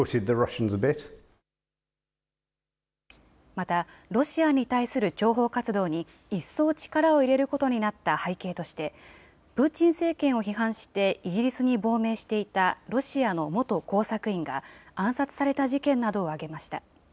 また、ロシアに対する諜報活動に一層力を入れることになった背景として、プーチン政権を批判してイギリスに亡命していたロシアの元工作員が、暗殺された事件などを挙げました。